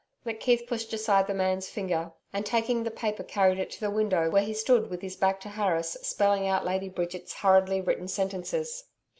McKeith pushed aside the man's finger, and taking up the paper carried it to the window, where he stood with his back to Harris, spelling out Lady Bridget's hurriedly written sentences.